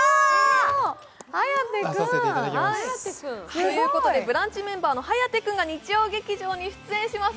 ということで、ブランチメンバーの颯君が日曜劇場に出演します。